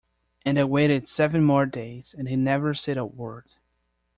And I waited seven more days, and he never said a word.